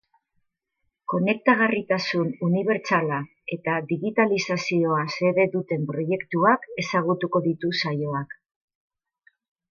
Konektagarritasun unibertsala eta digitalizazioa xede duten proiektuak ezagutuko ditu saioak.